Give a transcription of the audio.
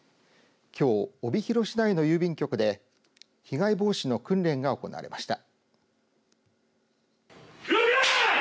きょう、帯広市内の郵便局で被害防止の訓練が行われました。